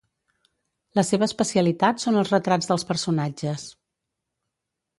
La seva especialitat són els retrats dels personatges.